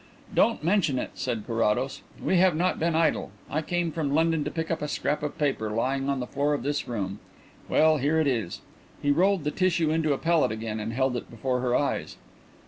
"Don't mention it," said Carrados. "We have not been idle. I came from London to pick up a scrap of paper, lying on the floor of this room. Well, here it is." He rolled the tissue into a pellet again and held it before her eyes.